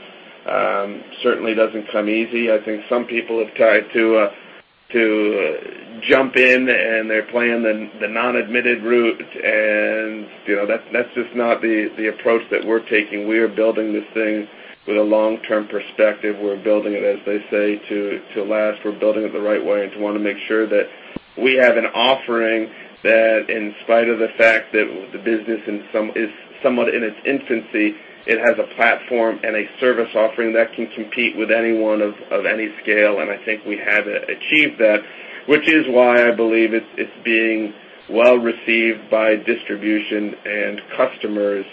B: certainly doesn't come easy. I think some people have tried to jump in, they're playing the non-admitted route, that's just not the approach that we're taking. We are building this thing with a long-term perspective. We're building it, as they say, to last. We're building it the right way to want to make sure that we have an offering that in spite of the fact that the business is somewhat in its infancy, it has a platform and a service offering that can compete with anyone of any scale, I think we have achieved that, which is why I believe it's being well-received by distribution and customers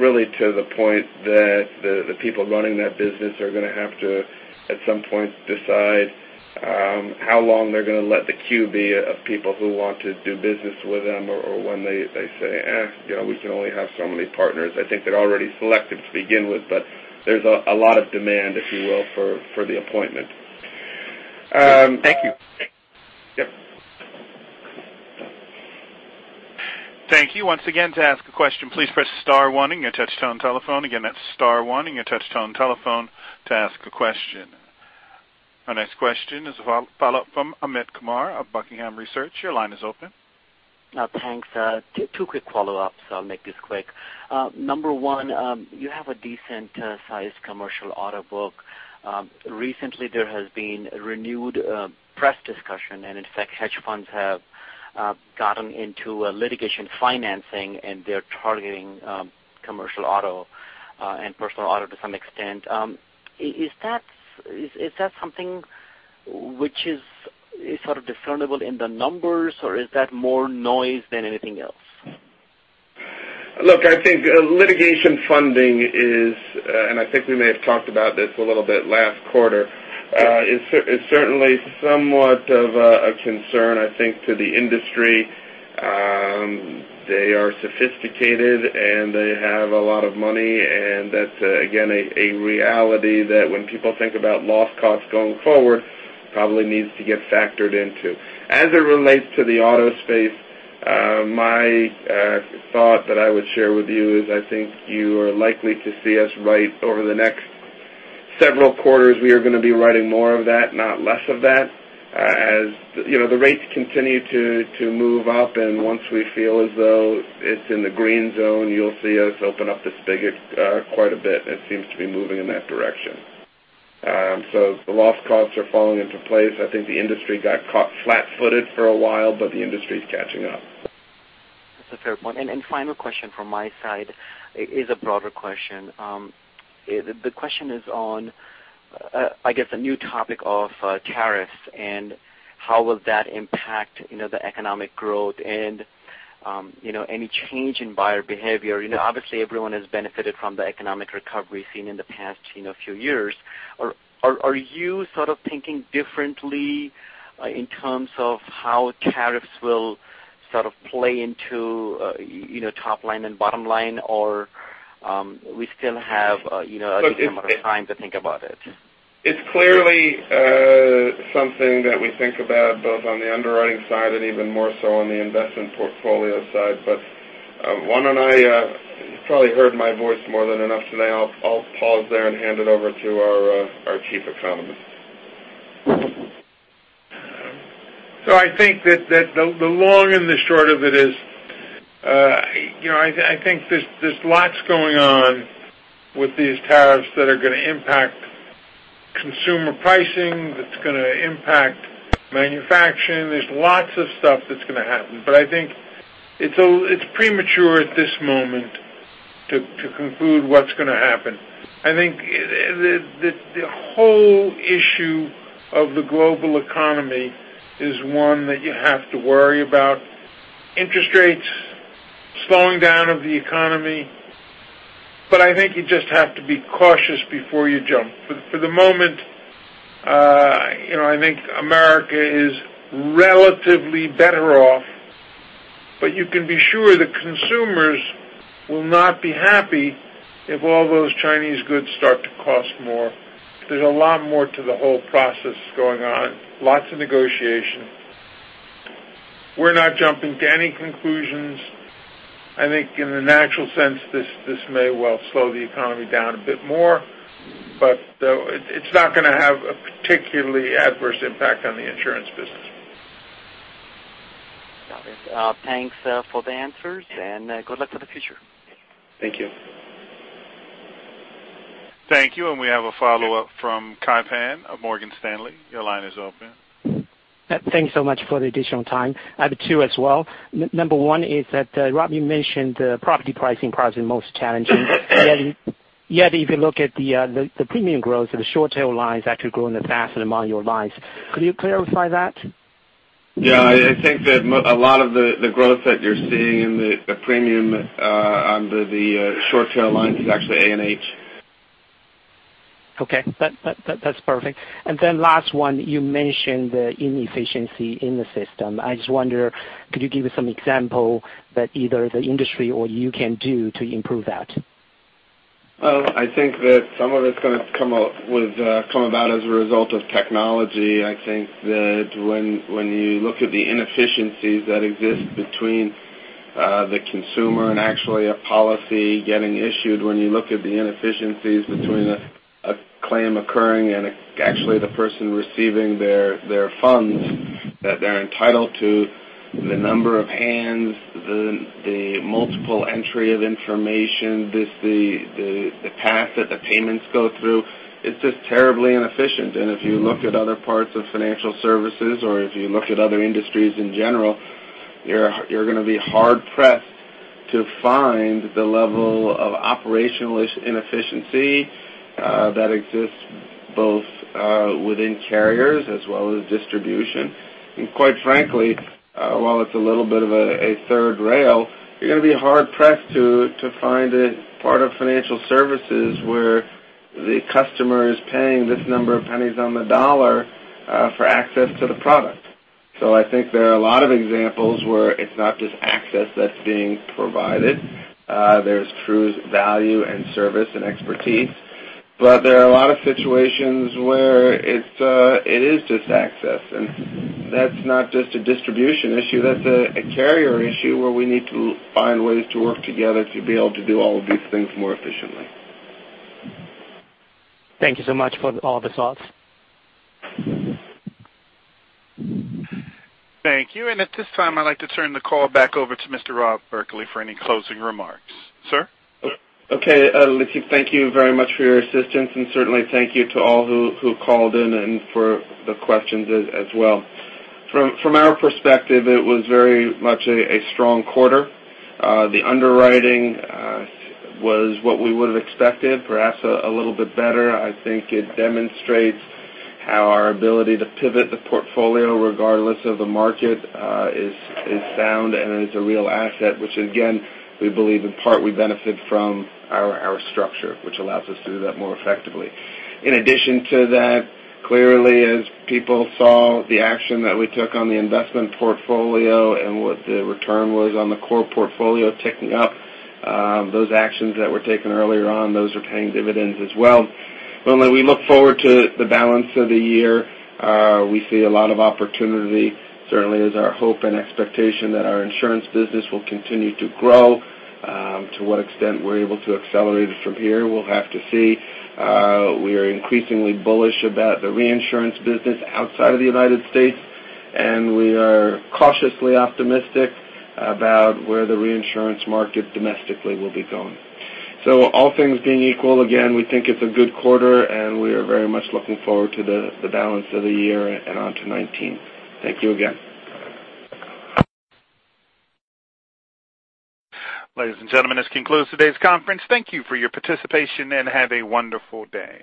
B: really to the point that the people running that business are going to have to, at some point, decide how long they're going to let the queue be of people who want to do business with them or when they say, "Eh, we can only have so many partners." I think they're already selective to begin with, there's a lot of demand, if you will, for the appointment.
K: Thank you.
B: Yep.
A: Thank you. Once again, to ask a question, please press star one on your touch-tone telephone. Again, that's star one on your touch-tone telephone to ask a question. Our next question is a follow-up from Amit Kumar of Buckingham Research. Your line is open.
D: Thanks. Two quick follow-ups. I'll make this quick. Number one, you have a decent-sized commercial auto book. Recently, there has been renewed press discussion, in fact, hedge funds have gotten into litigation financing, they're targeting commercial auto, personal auto to some extent. Is that something which is sort of discernible in the numbers, or is that more noise than anything else?
B: Look, I think litigation funding is, I think we may have talked about this a little bit last quarter, is certainly somewhat of a concern, I think, to the industry. They are sophisticated, they have a lot of money, that's, again, a reality that when people think about loss costs going forward, probably needs to get factored into. As it relates to the auto space, my thought that I would share with you is I think you are likely to see us right over the next several quarters. We are going to be writing more of that, not less of that. As the rates continue to move up, once we feel as though it's in the green zone, you'll see us open up the spigot quite a bit, it seems to be moving in that direction. The loss costs are falling into place. I think the industry got caught flat-footed for a while, the industry is catching up.
D: That's a fair point. Final question from my side is a broader question. The question is on a new topic of tariffs and how will that impact the economic growth and any change in buyer behavior. Obviously, everyone has benefited from the economic recovery seen in the past few years. Are you thinking differently in terms of how tariffs will play into top line and bottom line? Or we still have a decent amount of time to think about it?
B: It's clearly something that we think about both on the underwriting side and even more so on the investment portfolio side. You probably heard my voice more than enough today. I'll pause there and hand it over to our chief economist.
F: I think that the long and the short of it is, there's lots going on with these tariffs that are going to impact consumer pricing, that's going to impact manufacturing. There's lots of stuff that's going to happen. I think it's premature at this moment to conclude what's going to happen. I think the whole issue of the global economy is one that you have to worry about, interest rates, slowing down of the economy. I think you just have to be cautious before you jump. For the moment, I think America is relatively better off. You can be sure the consumers will not be happy if all those Chinese goods start to cost more. There's a lot more to the whole process going on, lots of negotiation. We're not jumping to any conclusions. I think in the natural sense, this may well slow the economy down a bit more. It's not going to have a particularly adverse impact on the insurance business.
D: Got it. Thanks for the answers, good luck for the future.
B: Thank you.
A: Thank you. We have a follow-up from Kai Pan of Morgan Stanley. Your line is open.
E: Thanks so much for the additional time. I have two as well. Number one is that, Rob, you mentioned property pricing probably is the most challenging. If you look at the premium growth of the short tail lines actually growing faster than among your lines. Could you clarify that?
B: I think that a lot of the growth that you're seeing in the premium under the short tail lines is actually A&H.
E: Okay. That's perfect. Last one, you mentioned the inefficiency in the system. I just wonder, could you give some example that either the industry or you can do to improve that?
B: I think that some of it's going to come about as a result of technology. I think that when you look at the inefficiencies that exist between the consumer and actually a policy getting issued, when you look at the inefficiencies between a claim occurring and actually the person receiving their funds that they're entitled to, the number of hands, the multiple entry of information, the path that the payments go through, it's just terribly inefficient. If you look at other parts of financial services, or if you look at other industries in general, you're going to be hard-pressed to find the level of operational inefficiency that exists both within carriers as well as distribution. Quite frankly, while it's a little bit of a third rail, you're going to be hard-pressed to find a part of financial services where the customer is paying this number of pennies on the dollar for access to the product. I think there are a lot of examples where it's not just access that's being provided. There's true value and service and expertise. There are a lot of situations where it is just access, and that's not just a distribution issue. That's a carrier issue where we need to find ways to work together to be able to do all of these things more efficiently.
E: Thank you so much for all the thoughts.
A: Thank you. At this time, I'd like to turn the call back over to Mr. Rob Berkley for any closing remarks. Sir?
B: Okay. Thank you very much for your assistance, and certainly, thank you to all who called in and for the questions as well. From our perspective, it was very much a strong quarter. The underwriting was what we would have expected, perhaps a little bit better. I think it demonstrates how our ability to pivot the portfolio regardless of the market is sound and is a real asset, which again, we believe in part we benefit from our structure, which allows us to do that more effectively. In addition to that, clearly, as people saw the action that we took on the investment portfolio and what the return was on the core portfolio ticking up, those actions that were taken earlier on, those are paying dividends as well. We look forward to the balance of the year. We see a lot of opportunity. Certainly, it is our hope and expectation that our insurance business will continue to grow. To what extent we're able to accelerate it from here, we'll have to see. We are increasingly bullish about the reinsurance business outside of the U.S., and we are cautiously optimistic about where the reinsurance market domestically will be going. All things being equal, again, we think it's a good quarter, and we are very much looking forward to the balance of the year and on to 2019. Thank you again.
A: Ladies and gentlemen, this concludes today's conference. Thank you for your participation, and have a wonderful day.